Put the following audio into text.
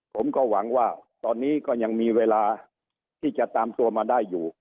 ผมก็หวังว่าตอนนี้ก็ยังมีเวลาที่จะตามตัวมาได้อยู่